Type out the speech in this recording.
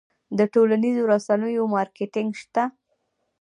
د ټولنیزو رسنیو مارکیټینګ شته؟